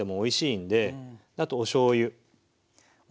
あとおしょうゆ。